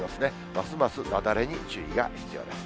ますます雪崩に注意が必要です。